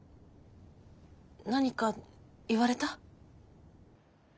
何か言われた？